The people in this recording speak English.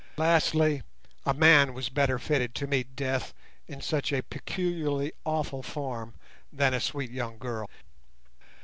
Lastly, a man was better fitted to meet death in such a peculiarly awful form than a sweet young girl.